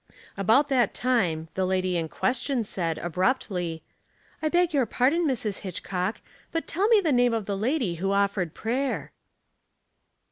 About that time the lady in question said, abruptly, —" I beg your pardon, Mrs. Hitchcock, but tell me the name of the lady who ofiered prayer.